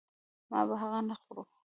ما به هغه نه خوړ.